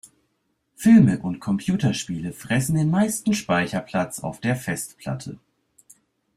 Filme und Computerspiele fressen den meisten Speicherplatz auf der Festplatte.